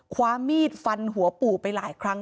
ความมีดฟันหัวปู่ไปหลายครั้ง